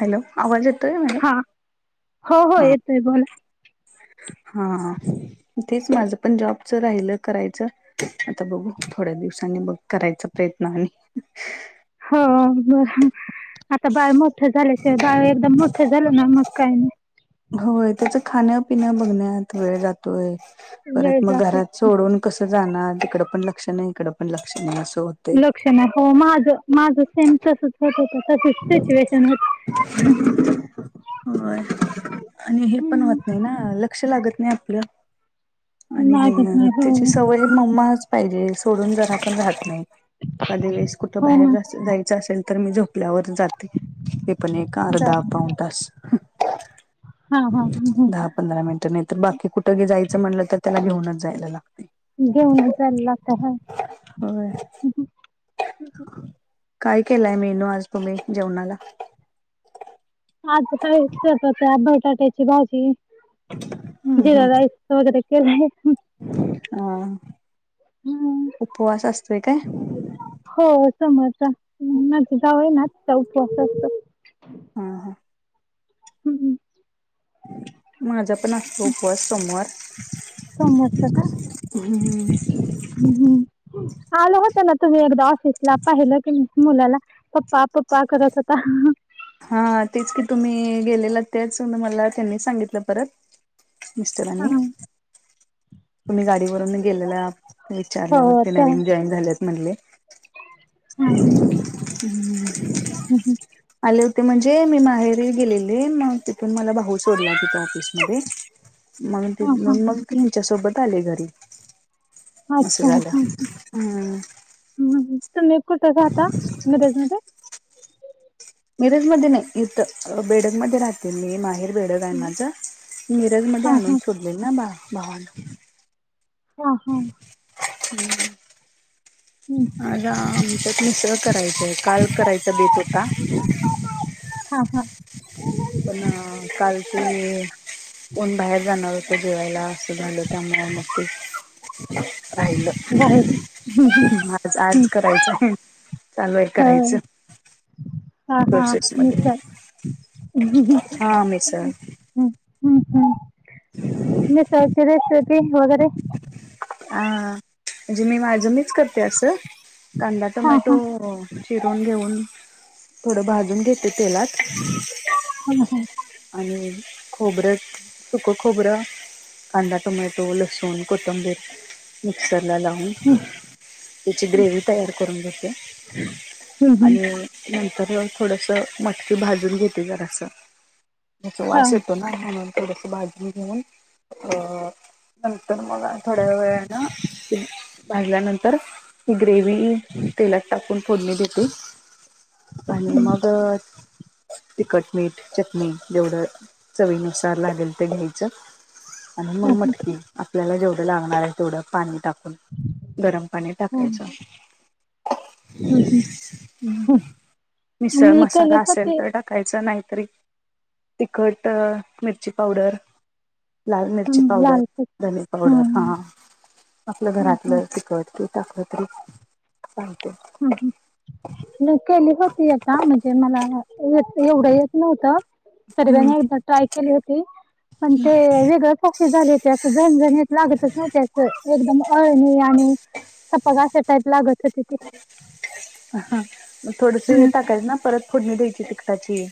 Hello आवाज येतो आहे मॅडम. हा हो हो येतोय बोला. हा हा तेच माझ पण जॉबच राहिलं करायचं. आता बघू थोड्या दिवसांनी बघ करायचा प्रयत्न आणि हो बर आता बाळ मोठं झाल्याशिवाय बाळ एकदम मोठं झालं ना मग काही नाही. होय, त्याच खाणपिण बघण्यात वेळ जातोय वेळ परत मग जातो घरात सोडून कसं जाणार, तिकड पण लक्ष नाही, इकडं पण लक्ष नाही, असं होत लक्ष नाही, हो माझ माझं सेम तसच होत होत तशीच सिच्युएशन हाय होय, आणि हे पण होत नाही ना, लक्ष लागत नाही आपलं. आणि लागत हे नाही हो त्याची सवय मम्माच पाहिजे, सोडून जरा पण राहत नाही, कधी वेळेस कुठं हो बाहेर ना जा जायच असेल तर, मी झोपल्यावर जाते. ते पण एक जा अर्धा पाऊण तास. हा हा हा हा. दहा पंधरा मिनिटं नाही तर, बाकी कुठ बी जायचं म्हणलं तर त्याला घेऊनच जायला लागतय. घेऊन जायला लागते, हा. व्हय. काय केलाय मेन्यू आज तुम्ही जेवणाला? आज काय [unintelligible] बटाट्याची भाजी, हम्म जिरा राईस. अस वैगेरे केलय. हा उपवास असतोय काय? हो, सोमवारचा माझी जाऊ आहे ना तिचा उपवास असतो. हा हम्म हम्म. माझ्या पण असतो उपवास सोमवार समोरचा का हम्म हम्म. आल होतं ना, तुम्ही एकदा ऑफिसला पाहिलं की मुलाला? पप्पा- पप्पा करत होता. [inaudible] हा तेच की तुम्ही गेलेला, तेच मला त्यांनी सांगितलं परत. हा. मिस्टरांनी. तुम्ही गाडीवरून गेलेला, हो विचारल्यावर ते त्या नवीन जॉईन झालेत म्हणले. [inaudible] हम्म हम्म- हम्म आले होते म्हणजे मी माहेरी गेलेली मग तिथून मला भाऊ सोडला तिथं ऑफिसमध्ये. मग हा. तेथून हा. मग तुमच्या सोबत आले घरी. अस अच्छा हा, झाल हम्म. हा. तुम्ही कुठ राहता मिरज मध्ये? मिरज मध्ये नाही, इथं बेडगमध्ये राहते मी माहेर बेडग हाय माझ हा मिरजमध्ये आणून हा सोडलेल ना भा भावान. हा- हा. [inaudible] हम्म हम्म. आज आमच्यात मिसळ [inaudible] करायचेय, काल करायचं बेत होता. [inaudible] हा -हा पण काल ते, कोण बाहेर जाणार होत जेवायला असं झाल. [inaudible] [unintelligible] राहिलं, बाहेर आता आज हम्म. करायचंय. [inaudible] चालूय हो करायचं. हा- हा प्रोसेस मी मध्ये तर [inaudible] हा, मिसळ. हम्म -हम्म मिसळ ची रेसिपी वैगेरे [inaudible] आ म्हणजे, मी माझ मीच करते असं, कांदा हा हा टोमॅटो चिरून घेऊन थोडं भाजून घेते तेलात. [inaudible] हम् [unintelligible] [inaudible] हम आणि खोबरं -सुकं खोबरं, कांदा, टोमॅटो, लसूण सून, कोंथबीर [inaudible] मिक्सरला लावून हम्म, त्याची ग्रेव्ही तयार करून घेते. हम्म. आणि नंतर थोडसं मटकी भाजून घेते जरास. मग हा, वास येतो ना म्हणून थोडस भाजून घेऊन अ नंतर मला थोड्या वेळान ते भाजल्यानंतर [inaudible] ही ग्रेव्ही तेलात टाकून फोडणी देते. [inaudible] आणि हम्म. मग [inaudible] तिखट, मीठ, चटणी जेवढं चवीनुसार लागेल ते घ्यायचं. [inaudible] आणि हा, मग हा, मटकी. आपल्याला जेवढं लागणार आहे तेवढं पाणी टाकून गरम पाणी हा. टाकायचं. हं, हं, हं. मिसळ मी केले मसाला असेल होते तर‌ टाक कायचा नाहीतरी तिखट, मिरची पावडर लाल हं, मिरची पावडर. लाल तिख धने पावडर हा हं, आपलं हं, हं, घरातलं तिखट टाकल तरी चालतय. हा- हा म केली होती आता म्हणजे मला येत एवढं- येत नव्हतं. [inaudible] हम्म. तरीरानी एकदा ट्राय केली होती, पण ते वेगळ च अशी झाली होती, असं झणझणीत लागतच न्हवती, अशी एकदम अळणी णी सपाक अश्या टाईप लागत होती ती. हं, मग थोडस हे हं, टाकायचं ना परत फोडणी द्यायची तिकटाची.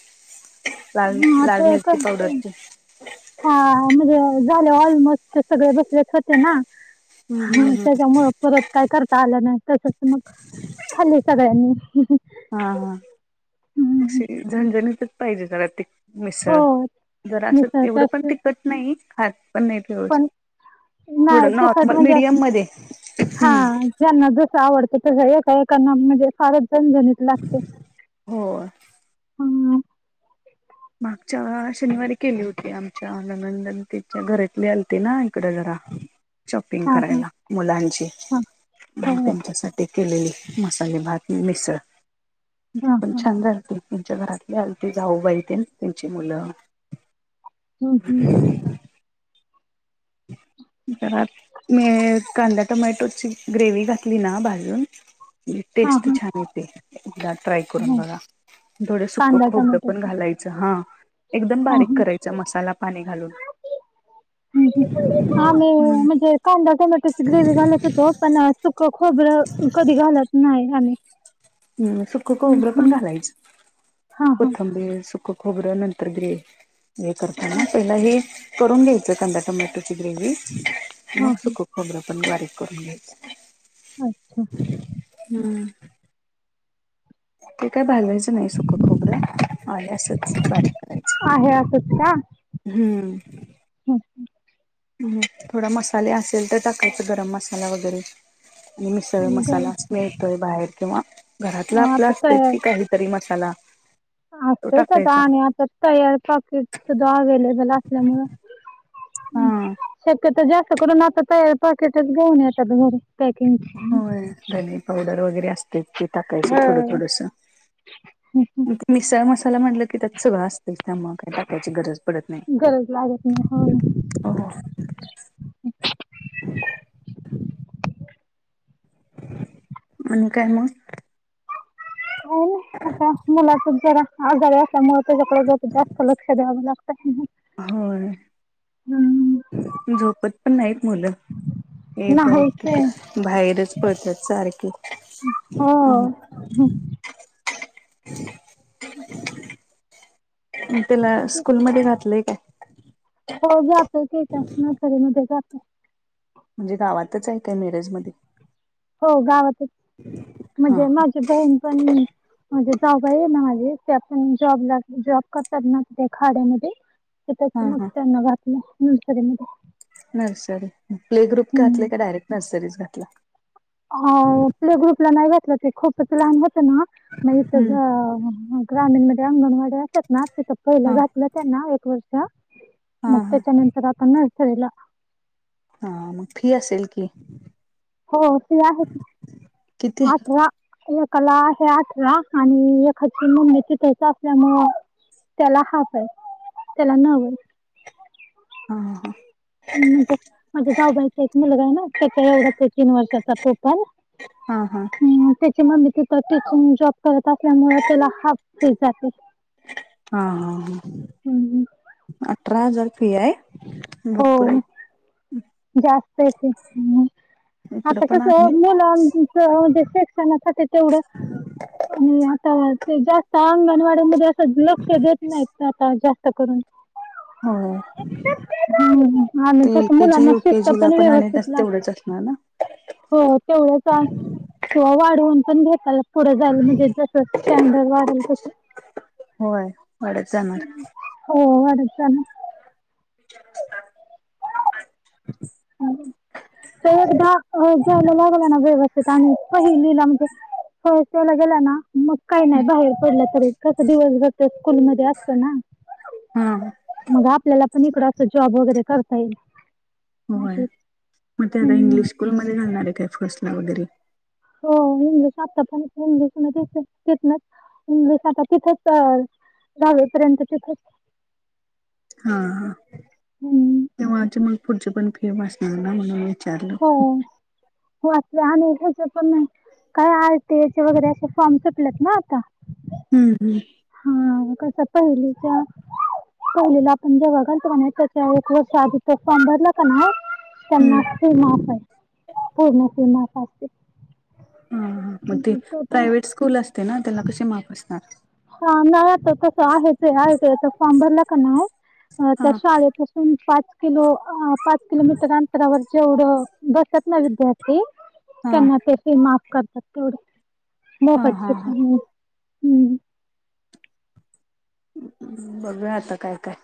लाल हं -लाल ते मिरची कसं पावडरची [inaudible] हा म्हणजे झाले ऑलमोस्ट सगळे बसलेच होते ना. हम्म हम्म हां हम्म. त्यांच्या मुळं परंत कायं करतां आलं नाहीं तसंच मंग खालं सगळ्यांनी हां हां हं, हं. अशी झणझणीतचं पाहिजे जरां ती हो मिसळं जरां असं मिसळत एवढं पणं असते तिखंट नाहीं खातं पणं नाहीं पण नाही थोडं तिखट नॉर्मल मीडियंम मध्यें हां ज्यांनां जसं आवडतं तरं काकांना म्हणंजे फारं झणझणीतं लागते हो. हम्म मागच्यां शनिवारी केली होती आमच्यां ननंदनतीच्यां घरांतले आलते नां इकडं जरां शॉपिंग हा हा करायंला मुलांणची हा हो हो. त्यांच्यासाठी ते केलेले मसाले भातं मिसळं ते हा पणं हा छान झालं त्यांच्या घरांतले आलते जाऊंबाई ते त्यांची मुलं हम्मं हमं घरांत मी कांदा टोमॅटोची ग्रेवी घातली नां भाजूंन हा टेस्टं हा छान येते एकदां ट्रायं करूंन हो बघां थोडं सुकं कांदा खोबरं पणं टोमॅटोची घालायचं हां एकदंम हा हा बारीक करायचं मसालां पाणी घालूंन हां मी म्हंणजे कांदा टोमॅटोची ग्रेवी घालतं होतो पणं सुखं खोबरं कधीं घालतं नाहीं आम्हीं हंम सुखं खोबरं पणं घालायचं हा हा कोथिंबीर सुखं खोबरं नंतर ग्रे पहिला हे करूंन घ्यांयचं कांदा टोमॅटोची ग्रेव्ही हा मंग हा सुखं खोबरं पणं बारीक करूंन घ्यायचं अच्छा हम्मं ते कायं भाजांयचं नाहीं सुखं खोबरं आले असंच बारीक करायचं आहे असतं कां हम्मं हुं थोडां मसाले असेल तरं टाकायचं गरमं मसालां वगैरें आणि मिसळं बरं मसालां मिळतोयं बाहेर किंवा घरातलां आपलं आता असतंच की कांहीं तरी मसालां असतेचं आतां आणि आतां तयार पॉकेट सुद्धां अवेलेबल असल्यामुळें हा शक्यंतो जास्तं करूंन आतां तयार पाकेटचं घेऊन येतातं घरं पॅकिंग होयं धने पावडंर वगैरें असतें ते ते टाकायचं थोडं होय. थोडंसं मिसळं मसालां म्हटलं की त्यांत सगळं असतं त्यामुळें कांहीं टाकांयची गरजं पडतं गरज लागत नाही नाहीं हो मंग कायं मंग हो खोटां मुलांचा जरां आजारी असल्यांमुळें त्यांच्याकडे जरां जास्तं लक्ष द्यावं लागतं होयं झोपतं पणं नाहीत मुलं ए बघं नाहीच आहे ठीक बाहेरचं पळतांत सारखी हो हम्मं हमं मंग त्यांला स्कूंलमंध्ये घातलंय कायं हो जातोयं ते कां नर्सरीमंध्यें जातोयं म्हणंजे गांवातच आहे कायं मिरज मध्यें हो गांवातच आहे हा म्हणजे माझी बहीण पणं म्हणजे जाऊंबाई आहे नां माझी ते पा जॉब लां जॉब करतातं नां खाड्यांमध्यें ते त्यांचं हा मंग हा त्यांना घातलं नर्सरीमंध्यें नर्सरी प्ले ग्रुप घांतले कां डायरेक्टं नर्सरी घातलं अ प्ले ग्रुपला नाही घातले ते खूपच लहान होत ना मग इथेच हम्म ग्रामीण मध्ये अंगणवाडी असते ना तिथं हा पहिलं घातलं त्यांना एक वर्ष मग हा हा त्याच्या नंतर आता नर्सरीला हा मग फी असेल की हो फी आहे की किती? आठरा एकाला आहे आठरा आणि एकाला महिन्याची फी असल्यामुळे त्याला हाफ आहे त्याला नाय एवढी हा ह हा म्हणजे माझे जाऊबाईचा एक मुलगा आहे ना त्याच्या एवढाच तीन वर्षाचा तो पण हा हा हम्म, त्याची मम्मी तिथे टीचिंग जॉब करत असल्यामुळे त्याला हाफ फी जाते हा हा ह हम्म. अठरा हजार फी हाय हो जास्त आहे फी इकडं आता पण कस आहे मुलांचे शिक्षण तेवढ आता ते जास्त अंगणवाडी मध्ये असते लक्ष देत नाहीत आता जास्त करून होय हम्म. आणि एल कसं केजी मुलांना शिस्त यूकेजी ला पण आणि व्यवस्थित लाग तेवढंच असणार ना हो चालेल तेवढ्याच ति वाढवून पण घे पुढं झाल म्हणजे जस स्टँडर्ड वाढेल तसं होय वाढत जाणार हो वाढत जाणार चार वाजता पूर्ण ते एकदा शाळेला लागला ना व्यवस्थित आणि पहिली ला म्हणजे गेला ना म्हणजे काही नाही बाहेर पडलं तरी कस दिवसभर स्कूल मध्ये असत ना हा मग आपल्याला पण इकड अस जॉब वगैरे करता येईल होय असं मग ते आता हम्म. इंग्लिश स्कूलमध्ये घालणार आहे काय फर्स्ट ला वगैरे हो इंगशात इंगशात तथच [unintelligible] दहावी पर्यंत ठीक होत हा हा हम् तेव्हा ज मग फुडचे [unintelligible] पण फिए बशी न ना म्हणे हो आपल्या अनोळखीच पण नाही काय आयटीयेचे वगैरे असे फॉर्म सुटलेत ना आता हम्म हम्म हा कसं पहिलेच्या पयलीला आपण जेव्हा गेलतो कणे बघालच म्हण त्याच्या एक वर्ष आधी त फॉर्म भरला का [unintelligible] हम्म हम्म त्यांना फी माफ आहे पूर्ण फी माफ असते ह मग ते प्रायव्हेट स्कूल असते ना त्यांना कशी माफ असणार हा नाही आता कसं आहे ते आहे आयटीयसचे याचा फॉर्म भरला का नाही हा त्या शाळेत पाच किलो पाच किलोमीटर अंतरावर जेवढं बसत ना विद्यार्थ ते हा त्यांना ते फी माफ करतात तेवढी हा मोफत हा हा शिक्षण मिळते हम्म बघूया आता काय काय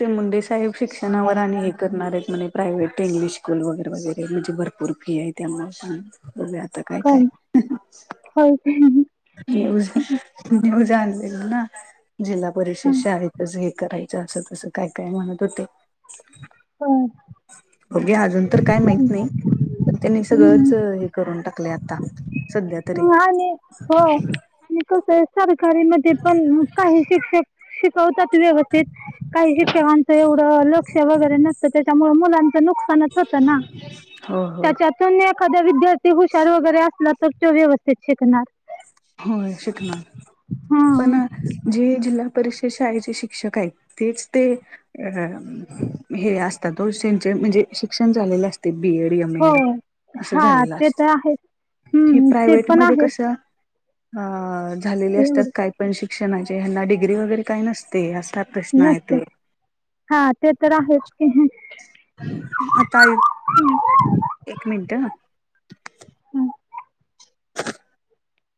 ते मुंडे साहेब शिक्षणावर आणि हे करणार आहेत म्हे प्रायव्हेट इंगलिश स्कूल वगैरे वगैरे म्हणजे भर पुर्ण फी आहे त्यांना सांग बघूया आता काय काय हो का न्यूज न्यूज आणलेल ना जिल्हा हा, परिषद शाळेतच हे करायच असं तसं काय काय म्हणत होते हम बघूया अजून तर काय माहित नाही तर त्यांनी सगळंच हम्म. हे करून टाकले आता सध्या तरी आणि हो आणि कस आहे सरकारी मध्ये पण काही शिक्षक शिकवतात व्यवस्थित काही शिक्षकां हो ऐवढ लक्ष वगरे न त्याच्यामुळे मुलांच नुकसानच होत ना हो होय त्याच्यात तन एखाद्या विद्यार्थी हुशार वगैरे असला तर तो व्यवस्थेत शिकणार होय शिकणार पण हां जे जिल्हा परिषद शाळेचे शिक्षक आहेत तेच ते अ हे असतात तो त्यांचे म्हणजे शिक्षण झालेले असते बीएड एम हो एड अस हां झालेलं ते अस तर आहेच हे ते प्रायवेट पण मधे आहे कस अ झालेली असतात एवढं काय पण शिक्षणाचे ह्यांना डिग्री वगैरे काही नसते असतात नसते हा ते तर आहेच की आता एक मिनट आ [inaudible]